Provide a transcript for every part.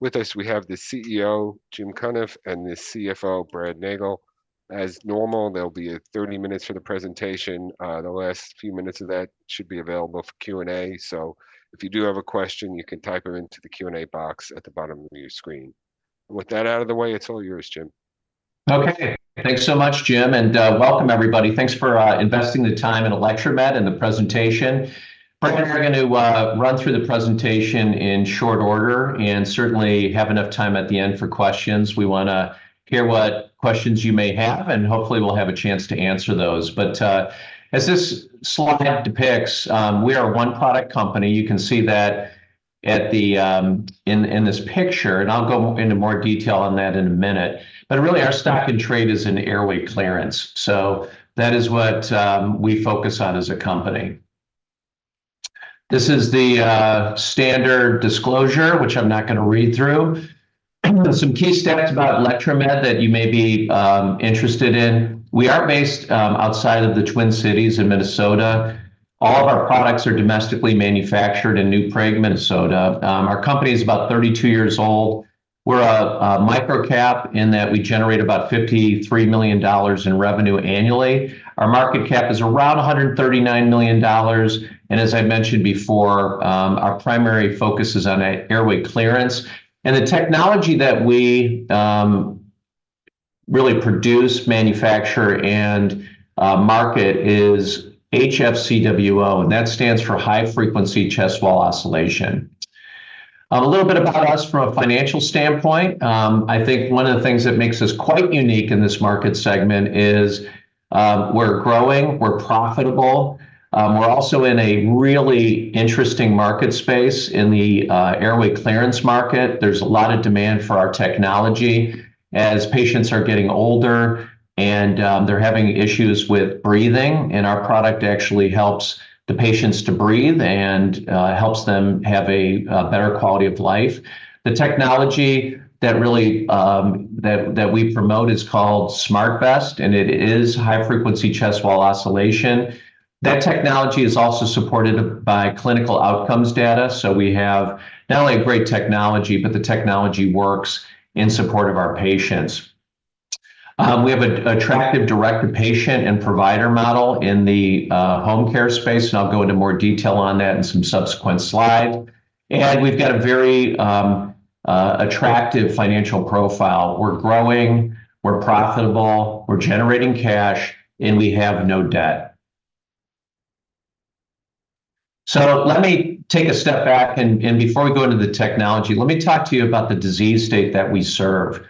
With us, we have the CEO, Jim Cunniff, and the CFO, Brad Nagel. As normal, there'll be 30 minutes for the presentation. The last few minutes of that should be available for Q&A. So if you do have a question, you can type it into the Q&A box at the bottom of your screen. With that out of the way, it's all yours, Jim. Okay. Thanks so much, Jim, and welcome, everybody. Thanks for investing the time in Electromed and the presentation. First, we're going to run through the presentation in short order, and certainly have enough time at the end for questions. We wanna hear what questions you may have, and hopefully we'll have a chance to answer those. But as this slide depicts, we are a one-product company. You can see that in this picture, and I'll go into more detail on that in a minute. But really, our stock-in-trade is in airway clearance, so that is what we focus on as a company. This is the standard disclosure, which I'm not going to read through. Some key stats about Electromed that you may be interested in. We are based outside of the Twin Cities in Minnesota. All of our products are domestically manufactured in New Prague, Minnesota. Our company is about 32 years old. We're a micro cap in that we generate about $53 million in revenue annually. Our market cap is around $139 million, and as I mentioned before, our primary focus is on airway clearance. The technology that we really produce, manufacture, and market is HFCWO, and that stands for high-frequency chest wall oscillation. A little bit about us from a financial standpoint. I think one of the things that makes us quite unique in this market segment is, we're growing, we're profitable. We're also in a really interesting market space in the airway clearance market. There's a lot of demand for our technology as patients are getting older and they're having issues with breathing, and our product actually helps the patients to breathe and helps them have a better quality of life. The technology that really we promote is called SmartVest, and it is high-frequency chest wall oscillation. That technology is also supported by clinical outcomes data, so we have not only a great technology, but the technology works in support of our patients. We have a attractive direct-to-patient and provider model in the home care space, and I'll go into more detail on that in some subsequent slide. We've got a very attractive financial profile. We're growing, we're profitable, we're generating cash, and we have no debt. So let me take a step back and before we go into the technology, let me talk to you about the disease state that we serve.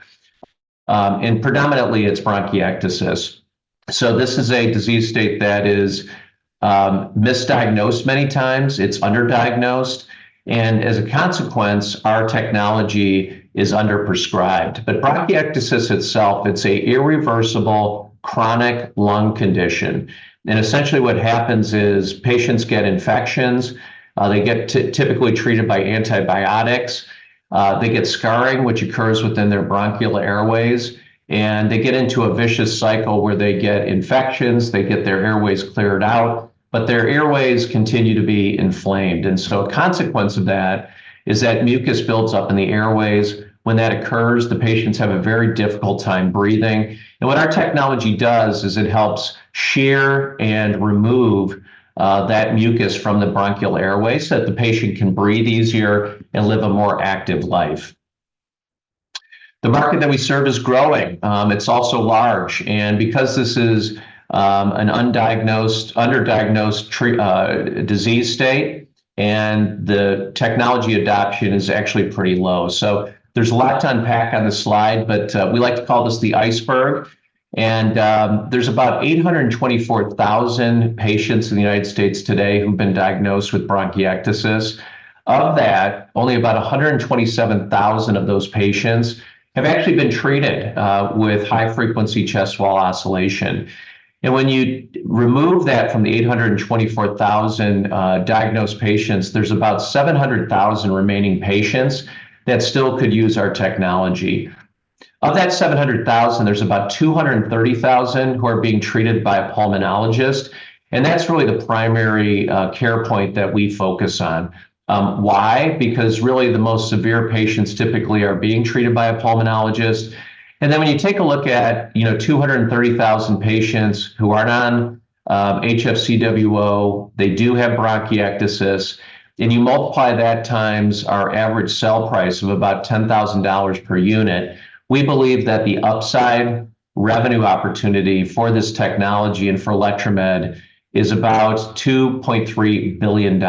Predominantly, it's bronchiectasis. So this is a disease state that is misdiagnosed many times, it's underdiagnosed, and as a consequence, our technology is underprescribed. But bronchiectasis itself, it's a irreversible chronic lung condition, and essentially what happens is, patients get infections, they get typically treated by antibiotics. They get scarring, which occurs within their bronchial airways, and they get into a vicious cycle where they get infections, they get their airways cleared out, but their airways continue to be inflamed. And so a consequence of that is that mucus builds up in the airways. When that occurs, the patients have a very difficult time breathing, and what our technology does is it helps shear and remove that mucus from the bronchial airways, so that the patient can breathe easier and live a more active life. The market that we serve is growing. It's also large, and because this is an undiagnosed, underdiagnosed disease state, and the technology adoption is actually pretty low. So there's a lot to unpack on this slide, but we like to call this the iceberg, and there's about 824,000 patients in the United States today who've been diagnosed with bronchiectasis. Of that, only about 127,000 of those patients have actually been treated with high-frequency chest wall oscillation. When you remove that from the 824,000 diagnosed patients, there's about 700,000 remaining patients that still could use our technology. Of that 700,000, there's about 230,000 who are being treated by a pulmonologist, and that's really the primary care point that we focus on. Why? Because really the most severe patients typically are being treated by a pulmonologist. When you take a look at, you know, 230,000 patients who aren't on HFCWO, they do have bronchiectasis, and you multiply that times our average sale price of about $10,000 per unit, we believe that the upside revenue opportunity for this technology and for Electromed is about $2.3 billion.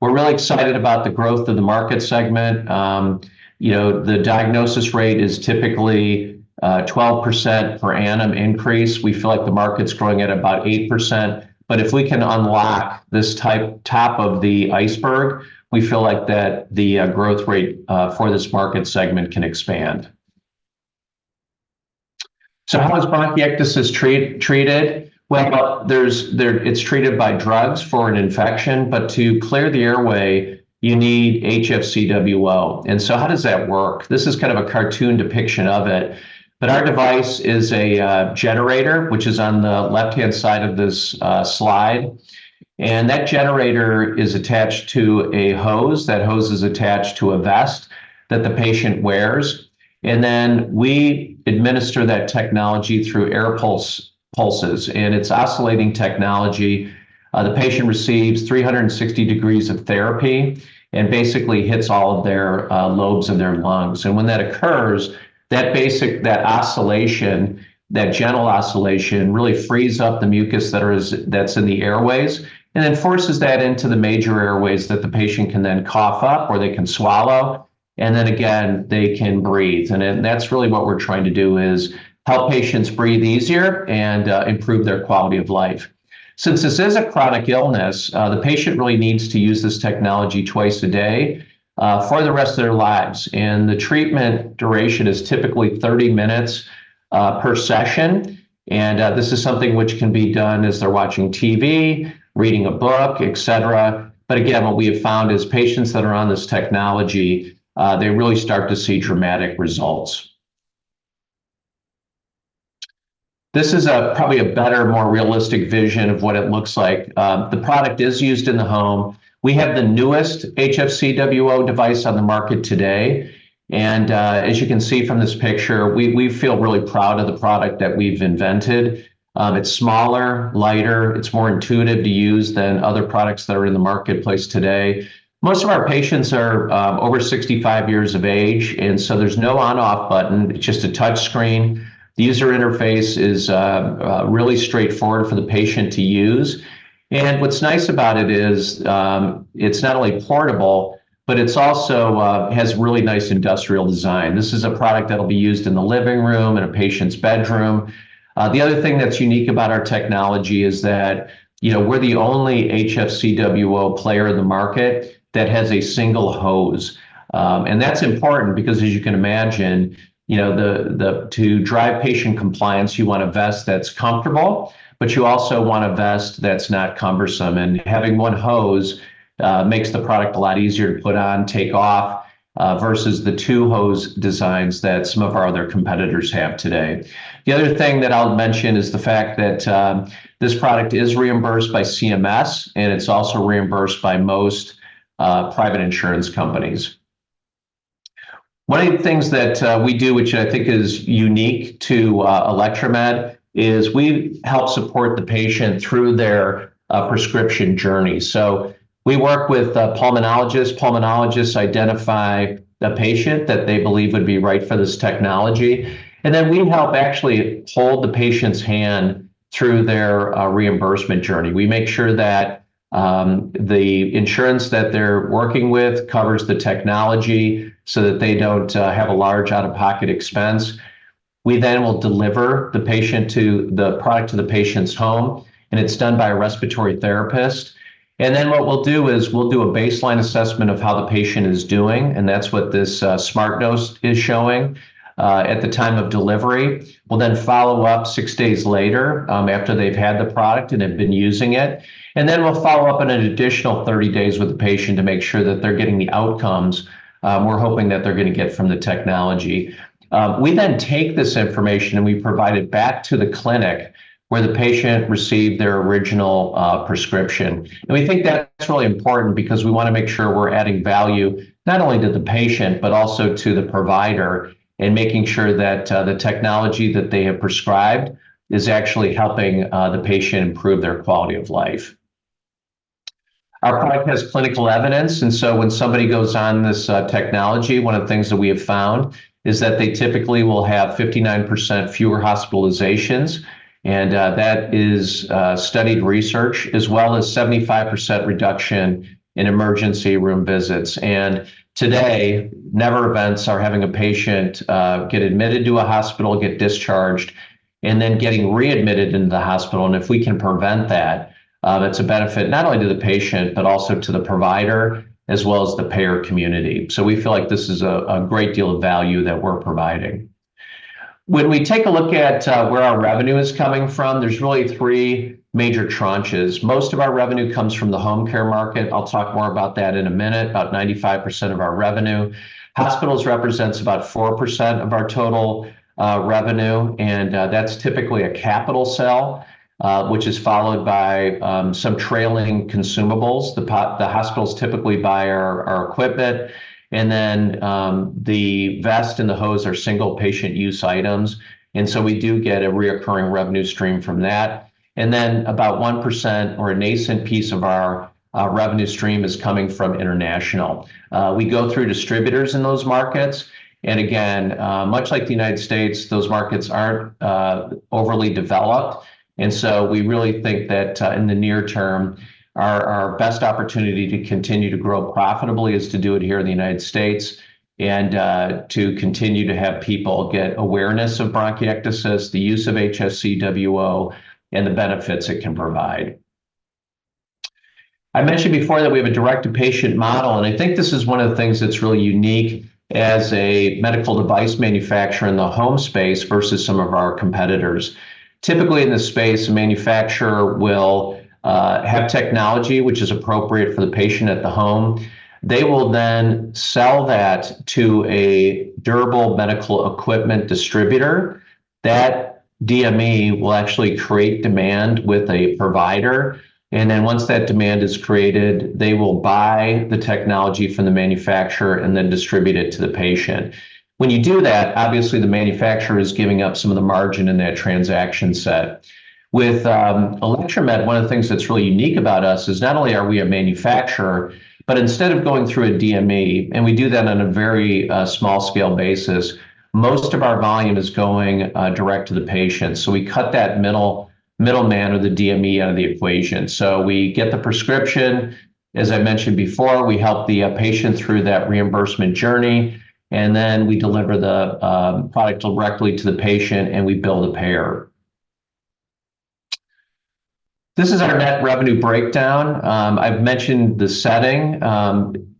We're really excited about the growth of the market segment. You know, the diagnosis rate is typically 12% per annum increase. We feel like the market's growing at about 8%, but if we can unlock this tip of the iceberg, we feel like that the growth rate for this market segment can expand. So how is bronchiectasis treated? Well, it's treated by drugs for an infection, but to clear the airway, you need HFCWO. And so how does that work? This is kind of a cartoon depiction of it, but our device is a generator, which is on the left-hand side of this slide and that generator is attached to a hose. That hose is attached to a vest that the patient wears, and then we administer that technology through air pulses, and it's oscillating technology. The patient receives 360 degrees of therapy and basically hits all of their lobes in their lungs. When that occurs, that oscillation, that gentle oscillation, really frees up the mucus that's in the airways and then forces that into the major airways that the patient can then cough up, or they can swallow, and then again, they can breathe. That's really what we're trying to do, is help patients breathe easier and improve their quality of life. Since this is a chronic illness, the patient really needs to use this technology twice a day, for the rest of their lives, and the treatment duration is typically 30 minutes per session. This is something which can be done as they're watching TV, reading a book, et cetera. But again, what we have found is patients that are on this technology, they really start to see dramatic results. This is probably a better, more realistic vision of what it looks like. The product is used in the home. We have the newest HFCWO device on the market today, and as you can see from this picture, we feel really proud of the product that we've invented. It's smaller, lighter, it's more intuitive to use than other products that are in the marketplace today. Most of our patients are over 65 years of age, and so there's no on/off button. It's just a touch screen. The user interface is really straightforward for the patient to use. And what's nice about it is, it's not only portable, but it's also has really nice industrial design. This is a product that'll be used in the living room, in a patient's bedroom. The other thing that's unique about our technology is that, you know, we're the only HFCWO player in the market that has a single hose. And that's important because, as you can imagine, you know, to drive patient compliance, you want a vest that's comfortable, but you also want a vest that's not cumbersome. Having one hose makes the product a lot easier to put on, take off versus the two-hose designs that some of our other competitors have today. The other thing that I'll mention is the fact that this product is reimbursed by CMS, and it's also reimbursed by most private insurance companies. One of the things that we do, which I think is unique to Electromed, is we help support the patient through their prescription journey. So we work with pulmonologists. Pulmonologists identify the patient that they believe would be right for this technology, and then we help actually hold the patient's hand through their reimbursement journey. We make sure that the insurance that they're working with covers the technology so that they don't have a large out-of-pocket expense. We then will deliver the product to the patient's home, and it's done by a respiratory therapist. And then what we'll do is we'll do a baseline assessment of how the patient is doing, and that's what this SmartVest is showing at the time of delivery. We'll then follow up six days later, after they've had the product and have been using it, and then we'll follow up on an additional 30 days with the patient to make sure that they're getting the outcomes we're hoping that they're gonna get from the technology. We then take this information, and we provide it back to the clinic, where the patient received their original prescription. We think that's really important because we wanna make sure we're adding value not only to the patient but also to the provider, and making sure that the technology that they have prescribed is actually helping the patient improve their quality of life. Our product has clinical evidence, and so when somebody goes on this technology, one of the things that we have found is that they typically will have 59% fewer hospitalizations, and that is studied research, as well as 75% reduction in emergency room visits. And today, never events are having a patient get admitted to a hospital, get discharged, and then getting readmitted into the hospital, and if we can prevent that, that's a benefit not only to the patient, but also to the provider as well as the payer community. So we feel like this is a great deal of value that we're providing. When we take a look at where our revenue is coming from, there's really three major tranches. Most of our revenue comes from the home care market. I'll talk more about that in a minute. About 95% of our revenue. Hospitals represents about 4% of our total revenue, and that's typically a capital sale, which is followed by some trailing consumables. The hospitals typically buy our equipment, and then the vest and the hose are single-patient use items, and so we do get a recurring revenue stream from that. And then about 1% or a nascent piece of our revenue stream is coming from international. We go through distributors in those markets, and again, much like the United States, those markets aren't overly developed. And so we really think that, in the near term, our best opportunity to continue to grow profitably is to do it here in the United States and, to continue to have people get awareness of bronchiectasis, the use of HFCWO, and the benefits it can provide. I mentioned before that we have a direct-to-patient model, and I think this is one of the things that's really unique as a medical device manufacturer in the home space versus some of our competitors. Typically, in this space, a manufacturer will have technology which is appropriate for the patient at the home. They will then sell that to a durable medical equipment distributor. DME will actually create demand with a provider, and then once that demand is created, they will buy the technology from the manufacturer and then distribute it to the patient. When you do that, obviously, the manufacturer is giving up some of the margin in that transaction set. With Electromed, one of the things that's really unique about us is not only are we a manufacturer, but instead of going through a DME, and we do that on a very small-scale basis, most of our volume is going direct to the patient. So we cut that middle, middleman or the DME out of the equation. So we get the prescription. As I mentioned before, we help the patient through that reimbursement journey, and then we deliver the product directly to the patient, and we bill the payer. This is our net revenue breakdown. I've mentioned the setting.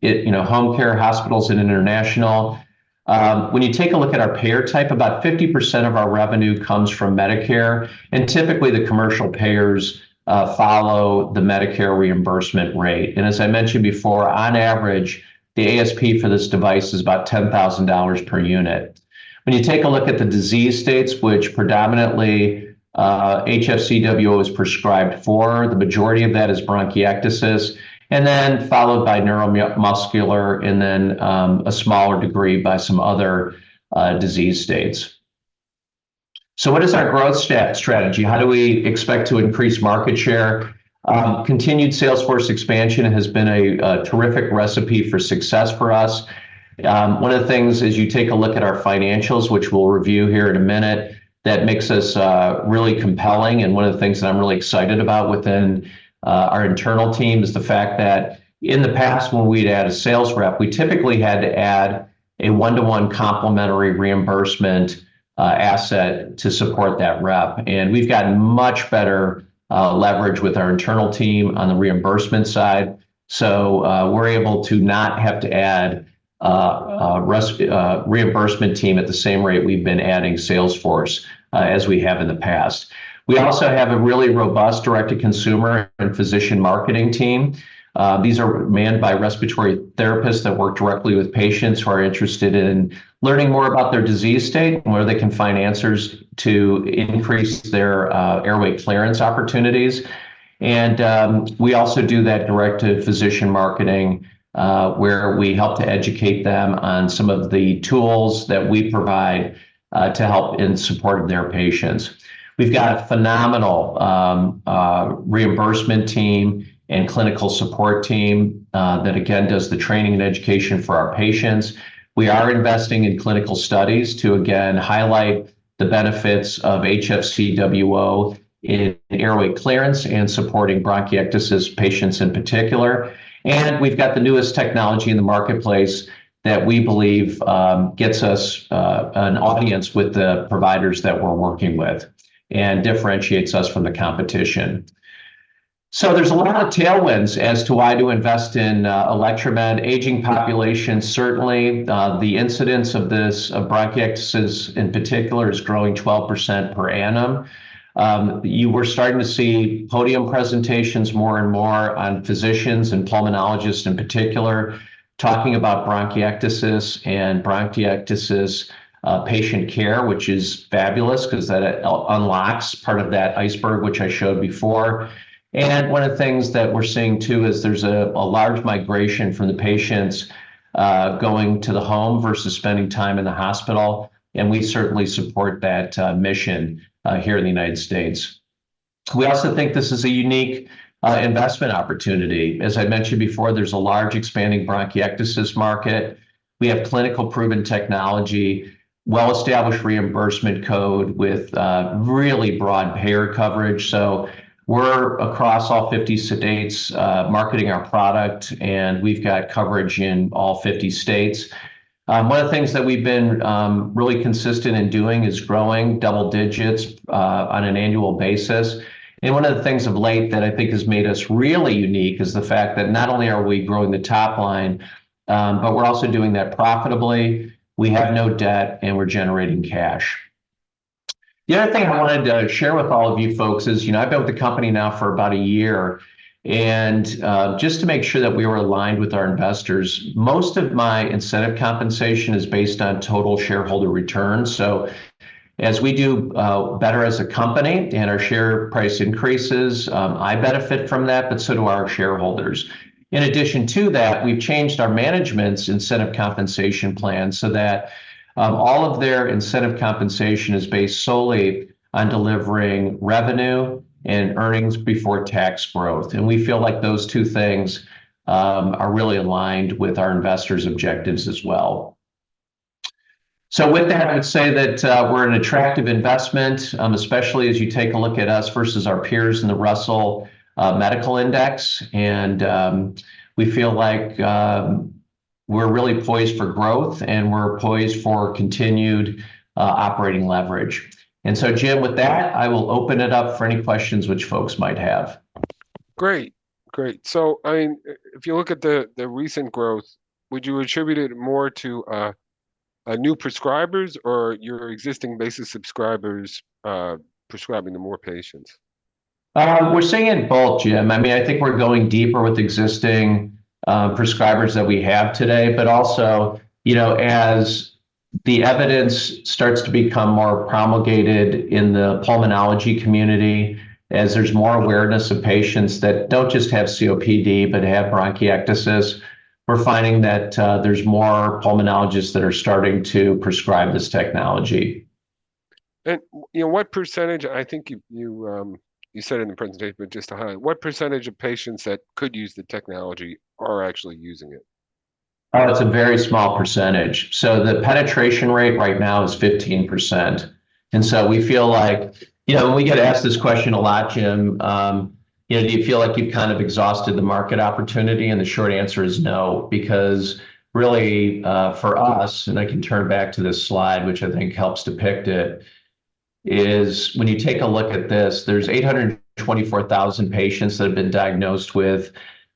You know, home care, hospitals, and international. When you take a look at our payer type, about 50% of our revenue comes from Medicare, and typically, the commercial payers follow the Medicare reimbursement rate. And as I mentioned before, on average, the ASP for this device is about $10,000 per unit. When you take a look at the disease states, which predominantly, HFCWO is prescribed for, the majority of that is bronchiectasis, and then followed by neuromuscular, and then, a smaller degree by some other disease states. So what is our growth strategy? How do we expect to increase market share? Continued sales force expansion has been a terrific recipe for success for us. One of the things as you take a look at our financials, which we'll review here in a minute, that makes us really compelling, and one of the things that I'm really excited about within our internal team, is the fact that in the past, when we'd add a sales rep, we typically had to add a one-to-one complementary reimbursement asset to support that rep. And we've gotten much better leverage with our internal team on the reimbursement side, so we're able to not have to add a reimbursement team at the same rate we've been adding sales force as we have in the past. We also have a really robust direct-to-consumer and physician marketing team. These are manned by respiratory therapists that work directly with patients who are interested in learning more about their disease state and where they can find answers to increase their airway clearance opportunities. We also do that direct-to-physician marketing, where we help to educate them on some of the tools that we provide to help in support of their patients. We've got a phenomenal reimbursement team and clinical support team that, again, does the training and education for our patients. We are investing in clinical studies to again highlight the benefits of HFCWO in airway clearance and supporting bronchiectasis patients in particular. We've got the newest technology in the marketplace that we believe gets us an audience with the providers that we're working with and differentiates us from the competition. So there's a lot of tailwinds as to why to invest in Electromed. Aging population, certainly. The incidence of this, of bronchiectasis in particular, is growing 12% per annum. We're starting to see podium presentations more and more on physicians and pulmonologists in particular, talking about bronchiectasis and bronchiectasis patient care, which is fabulous 'cause that unlocks part of that iceberg, which I showed before. And one of the things that we're seeing, too, is there's a large migration from the patients going to the home versus spending time in the hospital, and we certainly support that mission here in the United States. We also think this is a unique investment opportunity. As I mentioned before, there's a large expanding bronchiectasis market. We have clinically proven technology, well-established reimbursement code with really broad payer coverage, so we're across all 50 states, marketing our product, and we've got coverage in all 50 states. One of the things that we've been really consistent in doing is growing double digits on an annual basis. One of the things of late that I think has made us really unique is the fact that not only are we growing the top line, but we're also doing that profitably. We have no debt, and we're generating cash. The other thing I wanted to share with all of you folks is, you know, I've been with the company now for about a year, and just to make sure that we were aligned with our investors, most of my incentive compensation is based on total shareholder returns. So as we do better as a company and our share price increases, I benefit from that, but so do our shareholders. In addition to that, we've changed our management's incentive compensation plan so that all of their incentive compensation is based solely on delivering revenue and earnings before tax growth, and we feel like those two things are really aligned with our investors' objectives as well. So with that, I'd say that we're an attractive investment, especially as you take a look at us versus our peers in the Russell Medical Index. And we feel like we're really poised for growth, and we're poised for continued operating leverage. And so, Jim, with that, I will open it up for any questions which folks might have. Great. Great, so, I mean, if you look at the recent growth, would you attribute it more to new prescribers or your existing base of subscribers prescribing to more patients?... We're seeing it in both, Jim. I mean, I think we're going deeper with existing prescribers that we have today. But also, you know, as the evidence starts to become more promulgated in the pulmonology community, as there's more awareness of patients that don't just have COPD, but have bronchiectasis, we're finding that, there's more pulmonologists that are starting to prescribe this technology. You know, what percentage, I think you said it in the presentation, but just to highlight, what percentage of patients that could use the technology are actually using it? It's a very small percentage. So the penetration rate right now is 15%, and so we feel like... You know, and we get asked this question a lot, Jim. You know, do you feel like you've kind of exhausted the market opportunity? And the short answer is no, because really, for us, and I can turn back to this slide, which I think helps depict it, is when you take a look at this, there's 824,000 patients that have been diagnosed with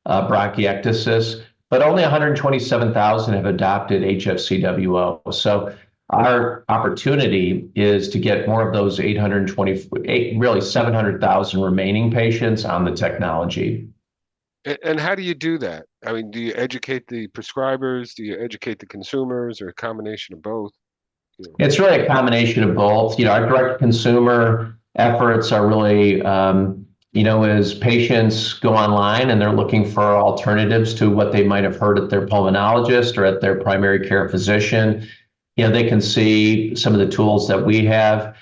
bronchiectasis, but only 127,000 have adopted HFCWO. So our opportunity is to get more of those 828, really, 700,000 remaining patients on the technology. And how do you do that? I mean, do you educate the prescribers? Do you educate the consumers, or a combination of both, you know? It's really a combination of both. You know, our direct consumer efforts are really, You know, as patients go online, and they're looking for alternatives to what they might have heard at their pulmonologist or at their primary care physician, you know, they can see some of the tools that we have.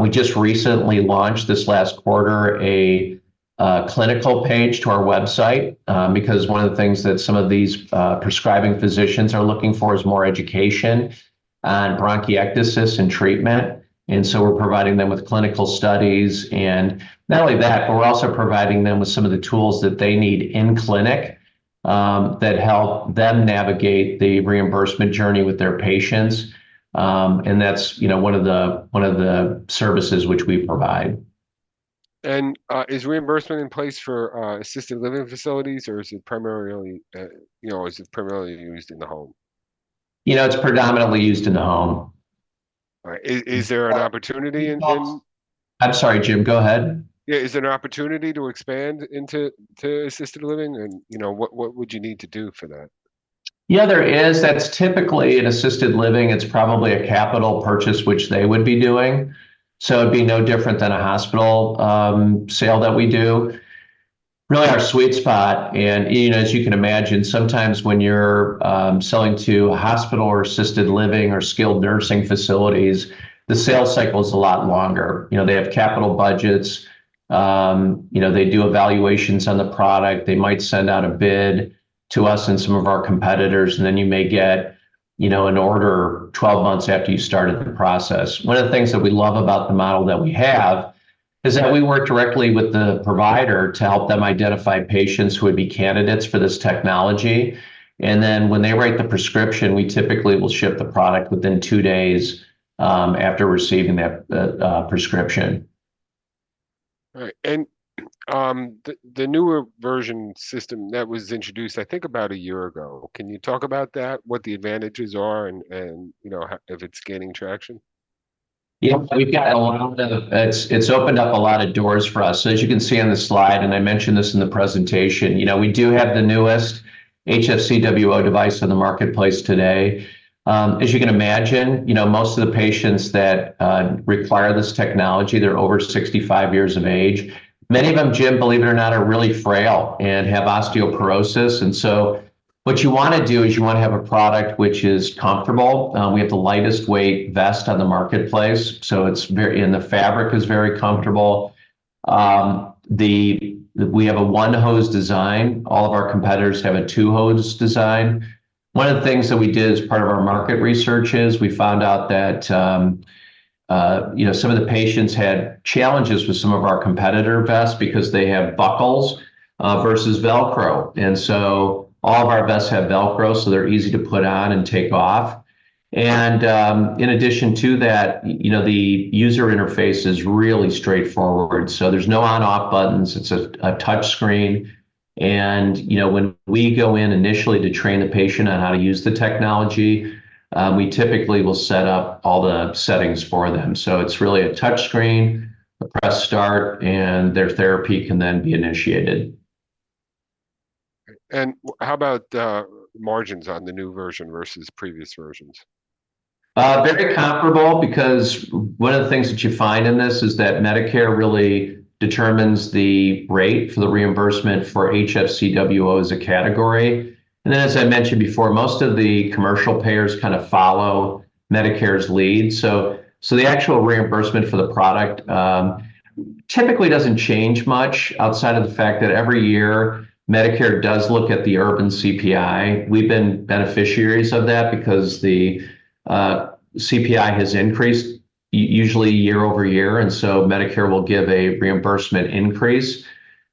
We just recently launched, this last quarter, a clinical page to our website, because one of the things that some of these prescribing physicians are looking for is more education on bronchiectasis and treatment. And so we're providing them with clinical studies, and not only that, but we're also providing them with some of the tools that they need in-clinic, that help them navigate the reimbursement journey with their patients. And that's, you know, one of the services which we provide. Is reimbursement in place for assisted living facilities, or is it primarily, you know, is it primarily used in the home? You know, it's predominantly used in the home. All right. Is there an opportunity in- I'm sorry, Jim. Go ahead. Yeah, is there an opportunity to expand into assisted living? And, you know, what, what would you need to do for that? Yeah, there is. That's typically, in assisted living, it's probably a capital purchase, which they would be doing, so it'd be no different than a hospital sale that we do. Really our sweet spot, and, you know, as you can imagine, sometimes when you're selling to a hospital or assisted living or skilled nursing facilities, the sales cycle is a lot longer. You know, they have capital budgets. You know, they do evaluations on the product. They might send out a bid to us and some of our competitors, and then you may get, you know, an order 12 months after you started the process. One of the things that we love about the model that we have is that we work directly with the provider to help them identify patients who would be candidates for this technology, and then when they write the prescription, we typically will ship the product within two days after receiving that prescription. All right. And, the newer version system that was introduced, I think about a year ago, can you talk about that, what the advantages are and, you know, how... If it's gaining traction? Yeah. It's opened up a lot of doors for us. So as you can see on the slide, and I mentioned this in the presentation, you know, we do have the newest HFCWO device in the marketplace today. As you can imagine, you know, most of the patients that require this technology, they're over 65 years of age. Many of them, Jim, believe it or not, are really frail and have osteoporosis. And so what you wanna do is you want to have a product which is comfortable. We have the lightest weight vest on the marketplace, so it's very... And the fabric is very comfortable. We have a 1-hose design. All of our competitors have a 2-hose design. One of the things that we did as part of our market research is we found out that, you know, some of the patients had challenges with some of our competitor vests because they have buckles versus Velcro. And in addition to that, you know, the user interface is really straightforward, so there's no on/off buttons. It's a touchscreen. And, you know, when we go in initially to train the patient on how to use the technology, we typically will set up all the settings for them. So it's really a touchscreen, press start, and their therapy can then be initiated. How about margins on the new version versus previous versions? Very comparable, because one of the things that you find in this is that Medicare really determines the rate for the reimbursement for HFCWO as a category. And then, as I mentioned before, most of the commercial payers kind of follow Medicare's lead. So, the actual reimbursement for the product typically doesn't change much outside of the fact that every year Medicare does look at the urban CPI. We've been beneficiaries of that because the CPI has increased usually year-over-year, and so Medicare will give a reimbursement increase.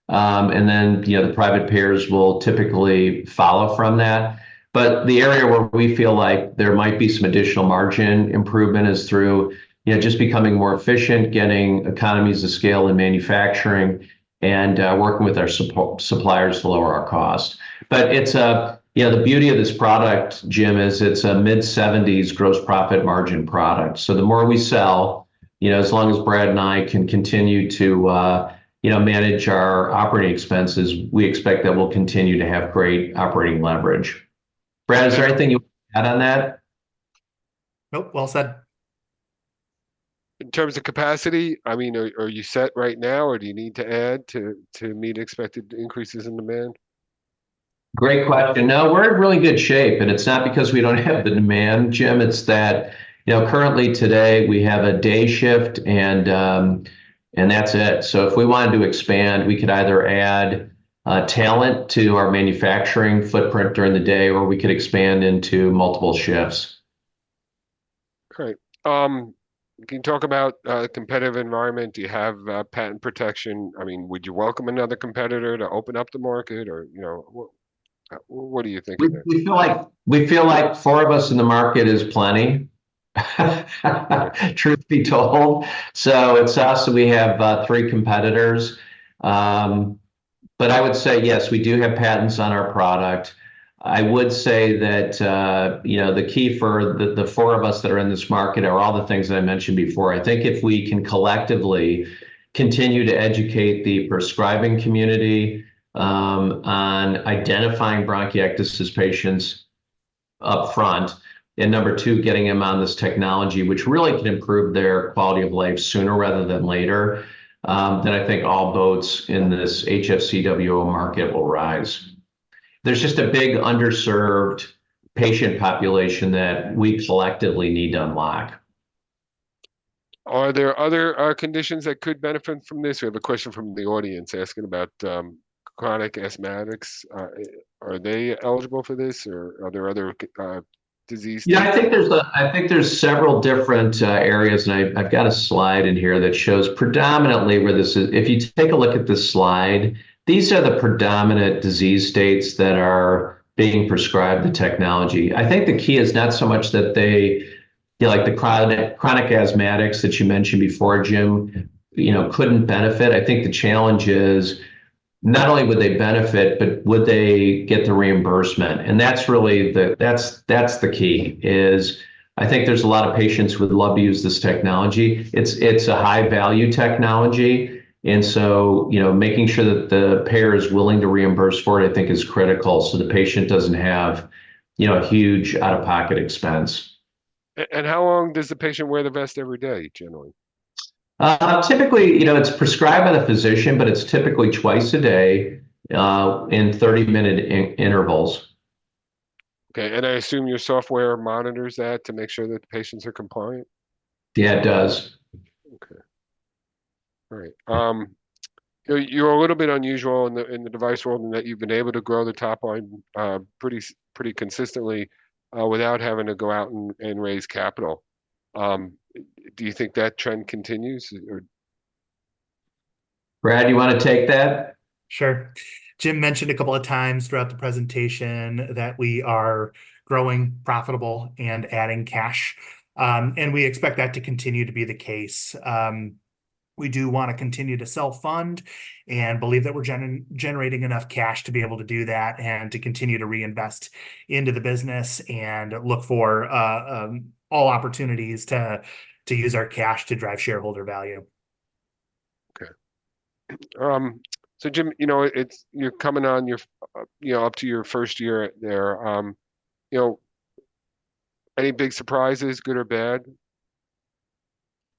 And then, you know, the private payers will typically follow from that. But the area where we feel like there might be some additional margin improvement is through, you know, just becoming more efficient, getting economies of scale in manufacturing, and working with our suppliers to lower our cost. but it's, you know, the beauty of this product, Jim, is it's a mid-seventies gross profit margin product. So the more we sell, you know, as long as Brad and I can continue to, you know, manage our operating expenses, we expect that we'll continue to have great operating leverage. Brad, is there anything you'd add on that? Nope, well said. In terms of capacity, I mean, are you set right now, or do you need to add to meet expected increases in demand? Great question. No, we're in really good shape, and it's not because we don't have the demand, Jim, it's that, you know, currently today, we have a day shift, and that's it. So if we wanted to expand, we could either add talent to our manufacturing footprint during the day, or we could expand into multiple shifts. Great. Can you talk about the competitive environment? Do you have patent protection? I mean, would you welcome another competitor to open up the market or, you know, what do you think of it? We feel like four of us in the market is plenty, truth be told. So it's us, and we have three competitors. But I would say, yes, we do have patents on our product. I would say that, you know, the key for the four of us that are in this market are all the things that I mentioned before. I think if we can collectively continue to educate the prescribing community on identifying bronchiectasis patients upfront, and number two, getting them on this technology, which really can improve their quality of life sooner rather than later, then I think all boats in this HFCWO market will rise. There's just a big underserved patient population that we collectively need to unlock. Are there other conditions that could benefit from this? We have a question from the audience asking about chronic asthmatics. Are they eligible for this, or are there other disease- Yeah, I think there's several different areas, and I've got a slide in here that shows predominantly where this is. If you take a look at this slide, these are the predominant disease states that are being prescribed the technology. I think the key is not so much that they, like the chronic, chronic asthmatics that you mentioned before, Jim, you know, couldn't benefit. I think the challenge is not only would they benefit, but would they get the reimbursement? And that's really the key, is I think there's a lot of patients who would love to use this technology. It's a high-value technology, and so, you know, making sure that the payer is willing to reimburse for it, I think is critical, so the patient doesn't have, you know, a huge out-of-pocket expense. How long does the patient wear the vest every day, generally? Typically, you know, it's prescribed by the physician, but it's typically twice a day, in 30-minute intervals. Okay, and I assume your software monitors that to make sure that the patients are compliant? Yeah, it does. Okay. All right. You're a little bit unusual in the device world in that you've been able to grow the top line pretty consistently without having to go out and raise capital. Do you think that trend continues, or? Brad, you wanna take that? Sure. Jim mentioned a couple of times throughout the presentation that we are growing profitable and adding cash, and we expect that to continue to be the case. We do wanna continue to self-fund and believe that we're generating enough cash to be able to do that, and to continue to reinvest into the business and look for all opportunities to use our cash to drive shareholder value. Okay. So Jim, you know, you're coming up on your first year there. You know, any big surprises, good or bad?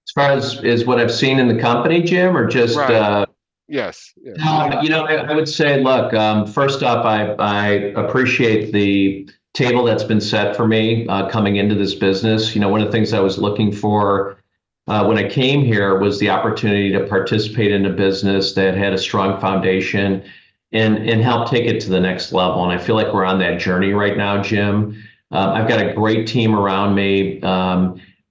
As far as what I've seen in the company, Jim, or just? Right. Yes, yes. You know, I would say, look, first off, I appreciate the table that's been set for me, coming into this business. You know, one of the things I was looking for, when I came here was the opportunity to participate in a business that had a strong foundation and help take it to the next level, and I feel like we're on that journey right now, Jim. I've got a great team around me.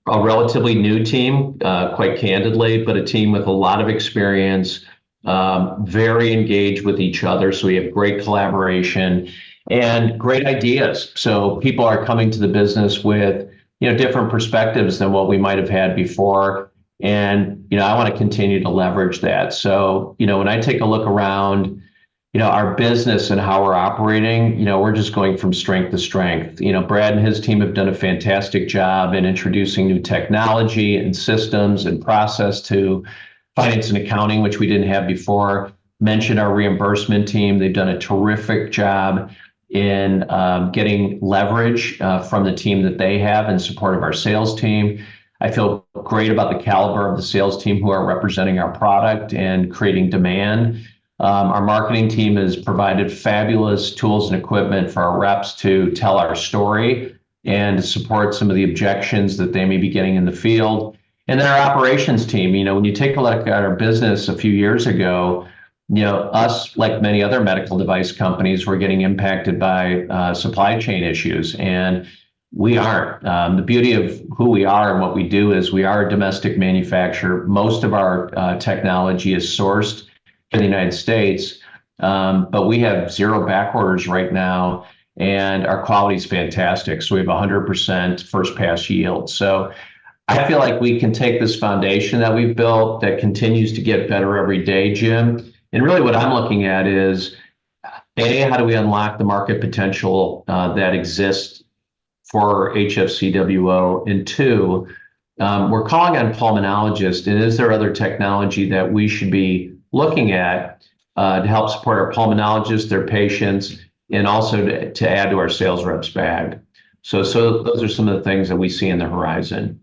A relatively new team, quite candidly, but a team with a lot of experience, very engaged with each other, so we have great collaboration and great ideas. So people are coming to the business with, you know, different perspectives than what we might have had before, and, you know, I wanna continue to leverage that. So, you know, when I take a look around, you know, our business and how we're operating, you know, we're just going from strength to strength. You know, Brad and his team have done a fantastic job in introducing new technology and systems and process to finance and accounting, which we didn't have before. Mentioned our reimbursement team, they've done a terrific job in getting leverage from the team that they have in support of our sales team. I feel great about the caliber of the sales team, who are representing our product and creating demand. Our marketing team has provided fabulous tools and equipment for our reps to tell our story and support some of the objections that they may be getting in the field. Then our operations team, you know, when you take a look at our business a few years ago, you know us, like many other medical device companies, were getting impacted by supply chain issues, and we aren't. The beauty of who we are and what we do is we are a domestic manufacturer. Most of our technology is sourced in the United States. But we have zero back orders right now, and our quality is fantastic, so we have 100% first pass yield. So I feel like we can take this foundation that we've built, that continues to get better every day, Jim, and really what I'm looking at is, A, how do we unlock the market potential that exists for HFCWO? Two, we're calling on pulmonologists, and is there other technology that we should be looking at, to help support our pulmonologists, their patients, and also to add to our sales reps' bag? So those are some of the things that we see on the horizon.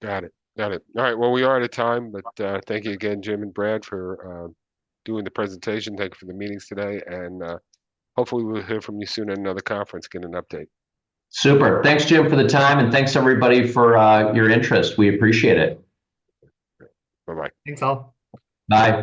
Got it. Got it. All right, well, we are out of time, but, thank you again, Jim and Brad, for doing the presentation. Thank you for the meetings today, and, hopefully we'll hear from you soon at another conference, get an update. Super. Thanks, Jim, for the time, and thanks everybody for your interest. We appreciate it. Bye-bye. Thanks, all. Bye.